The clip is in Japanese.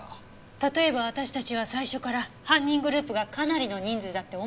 例えば私たちは最初から犯人グループがかなりの人数だって思い込まされていたとしたら。